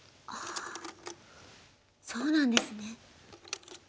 ああそうなんですね。